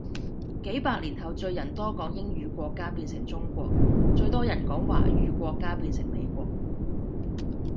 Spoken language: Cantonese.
幾百年後最人多講英語國家變成中國，最多人講華語國家變成美國